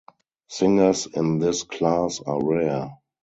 Singers in this class are rare.